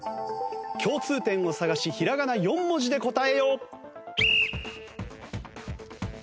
共通点を探しひらがな４文字で答えよ。